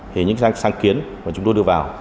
thì những sáng kiến mà chúng tôi đưa vào